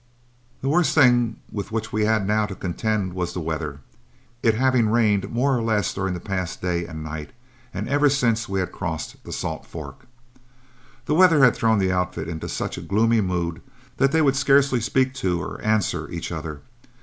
The worst thing with which we had now to contend was the weather, it having rained more or less during the past day and night, or ever since we had crossed the Salt Fork. The weather had thrown the outfit into such a gloomy mood that they would scarcely speak to or answer each other.